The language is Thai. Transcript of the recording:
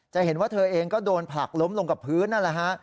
เห็นว่าเธอเองก็โดนผลักล้มลงกับพื้นนั่นแหละฮะ